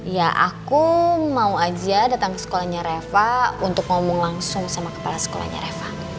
ya aku mau aja datang ke sekolahnya reva untuk ngomong langsung sama kepala sekolahnya reva